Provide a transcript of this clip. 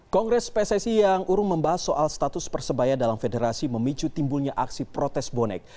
kongres pssi yang urung membahas soal status persebaya dalam federasi memicu timbulnya aksi protes bonek